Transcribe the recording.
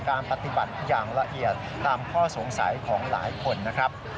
การปฏิบัติอย่างละเอียดตามข้อสงสัยของหลายคนนะครับ